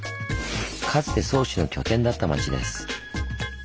かつて宗氏の拠点だった町です。